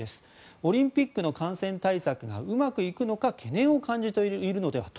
オリンピックの感染対策がうまくいくのか懸念を感じているのではと。